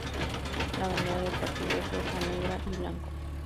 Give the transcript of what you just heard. La bandera del partido es roja, negra y blanco.